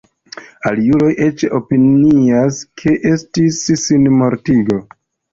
Aliuloj eĉ opinias ke estis sinmortigo.